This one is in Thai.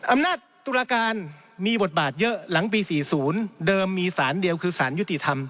อำนาจตุลาการมีบทบาทเยอะหลังปี๔๐เดิมมีสารเดียวคือสารยุติธรรม